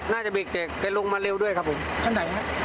น่าจะเบียบเจะไอ้ลงมาเร็วด้วยครับผมอันไหนครับ